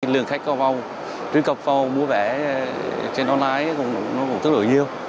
lương khách có vô truy cập vô mua vé trên online nó cũng thấp được nhiều